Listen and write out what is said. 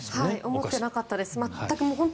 思っていなかったです。